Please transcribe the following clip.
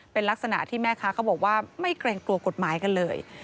เป็นลักษณะที่แม่ค้าเขาบอกว่าไม่เกรงกลัวกฎหมายกันเลย